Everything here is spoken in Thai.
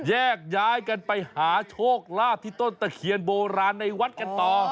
แยกย้ายกันไปหาโชคลาภที่ต้นตะเคียนโบราณในวัดกันต่อ